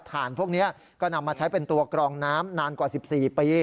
ถ่านพวกนี้ก็นำมาใช้เป็นตัวกรองน้ำนานกว่า๑๔ปี